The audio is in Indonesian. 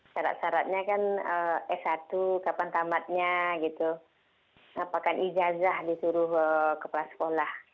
sarat saratnya kan s satu kapan tamatnya apakah ijazah disuruh ke pelas sekolah